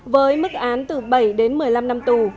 với mức án từ bảy đến một mươi năm năm tù